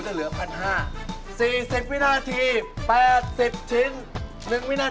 พี่เชื่อไหมสำหรับแอร์แอร์คิดว่าปัจจุบันนี้พี่เร็วขึ้นอยู่เพื่อสาม